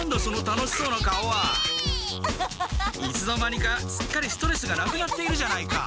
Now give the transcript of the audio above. いつの間にかすっかりストレスがなくなっているじゃないか。